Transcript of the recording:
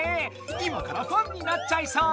今からファンになっちゃいそう！